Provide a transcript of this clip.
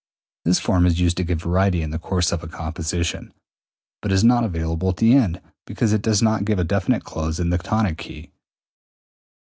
This form is used to give variety in the course of a composition, but is not available at the end because it does not give a definite close in the tonic key.